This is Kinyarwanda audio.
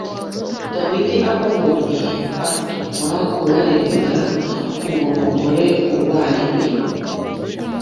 Dawidi amubonye atuma kubaririza uwo mugore uwo ari we.